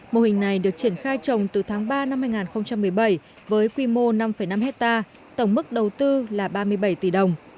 mô hình này được triển khai trồng từ tháng ba năm hai nghìn một mươi bảy với quy mô năm năm hectare tổng mức đầu tư là ba mươi bảy tỷ đồng